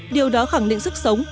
điều đó khẳng định sức sống